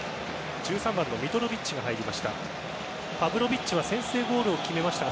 １３番、ミトロヴィッチが入りました。